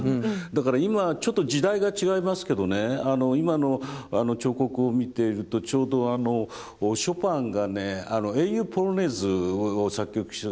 だから今ちょっと時代が違いますけどねあの今の彫刻を見ているとちょうどショパンがね英雄ポロネーズを作曲した。